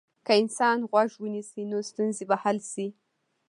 که انسان غوږ ونیسي، نو ستونزه به حل شي.